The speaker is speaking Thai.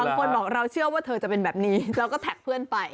บางคนบอกเราเชื่อว่าเธอจะเป็นแบบนี้เราก็แท็กเพื่อนไป